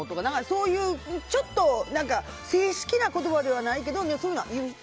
そういうちょっと正式な言葉ではなくて。